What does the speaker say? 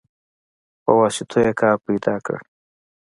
په واسطو يې کار پيدا که.